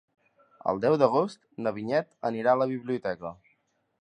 El deu d'agost na Vinyet anirà a la biblioteca.